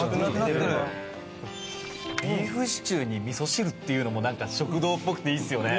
ビーフシチューにみそ汁っていうのもなんか食堂っぽくていいですよね。